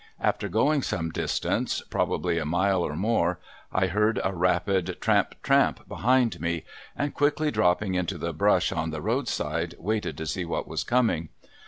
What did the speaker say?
After going some distance, probably a mile or more, I heard a rapid tramp, tramp, behind me, and quickly dropping into the brush on the roadside, waited to see what was coming.